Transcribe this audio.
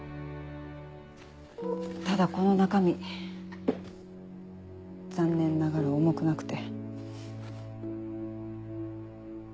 ただこの中身残念ながら重くなくて。